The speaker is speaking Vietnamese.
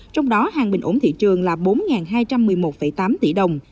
trong đó hàng bình ổn thị trường là bốn hai trăm một mươi một tám tỷ đồng